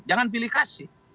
jangan pilih kasih